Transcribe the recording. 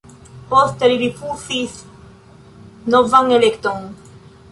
Poste li rifuzis novan elekton.